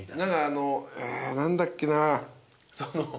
何かあの何だっけな。